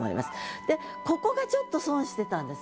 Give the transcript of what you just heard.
でここがちょっと損してたんです。